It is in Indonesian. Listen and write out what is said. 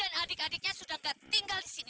fatimah dan adik adiknya sudah ngga tinggal di sini